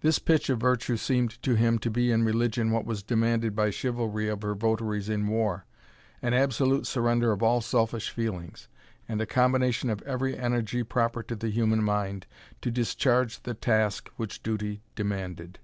This pitch of virtue seemed to him to be in religion what was demanded by chivalry of her votaries in war; an absolute surrender of all selfish feelings, and a combination of every energy proper to the human mind, to discharge the task which duty demanded.